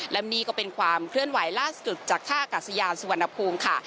และนี่ก็เป็นความเคลื่อนไหวล่าสุดจากท่าอากาศยานสุวรรณภูมิค่ะ